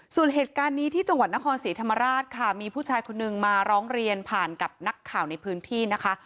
ส่วนเหตุการณ์นี้ที่จังหวัดนครศรีธรรมราชค่ะมีผู้ชายคนนึงมาร้องเรียนผ่านกับนักข่าวในพื้นที่นะคะ